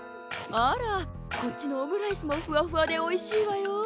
あらこっちのオムライスもふわふわでおいしいわよ。